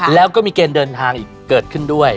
แล้วก็มีเกณฑ์เดินทางอีกเกิดขึ้นด้วย